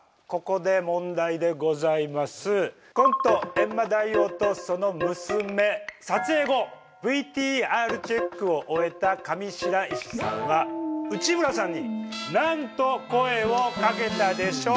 「閻魔大王とその娘」撮影後ＶＴＲチェックを終えた上白石さんは内村さんに何と声をかけたでしょうか？